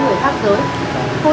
nhưng phải như thế nào